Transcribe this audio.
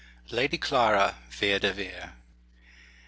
LADY CLARA VERE DE VERE.